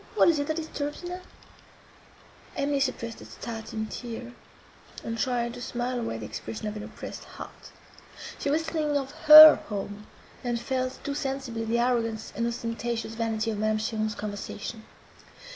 —What is it that disturbs you now?" Emily suppressed a starting tear, and tried to smile away the expression of an oppressed heart; she was thinking of her home, and felt too sensibly the arrogance and ostentatious vanity of Madame Cheron's conversation.